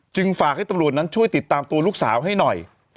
ฝากให้ตำรวจนั้นช่วยติดตามตัวลูกสาวให้หน่อย